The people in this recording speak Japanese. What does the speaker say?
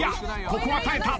ここは耐えた。